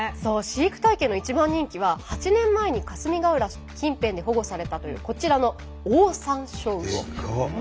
飼育体験の一番人気は８年前に霞ヶ浦近辺で保護されたというこちらのオオサンショウウオ。